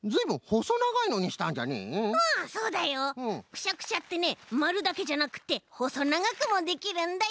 くしゃくしゃってねまるだけじゃなくてほそながくもできるんだよ！